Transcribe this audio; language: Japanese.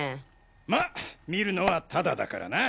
ま見るのはタダだからな。